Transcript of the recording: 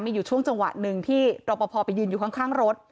มีอยู่ช่วงจังหวะหนึ่งที่รอปภไปยืนอยู่ข้างรถ